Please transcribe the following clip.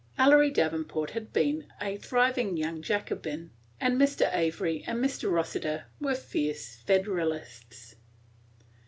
Ellery Davenport had been a thriving young Jacobin, and Mr. Avery and Mr. Rossiter were fierce Federalists.